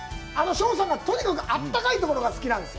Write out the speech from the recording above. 翔さんがとにかくあったかいところが好きなんです。